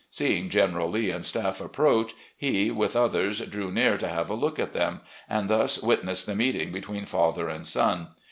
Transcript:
Seeing General Lee and staff approach, he, with others, drew near to have a look at them, and thus witnessed the meeting between father and son.